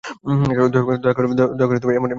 দয়া করে এমন করো না, পোন্নি।